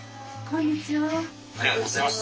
こんにちは。